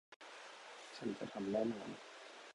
ฉันจะทำแน่นอน